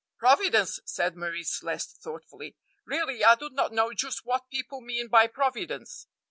"Providence!" said Marie Celeste thoughtfully; "really, I do not know just what people mean by Providence."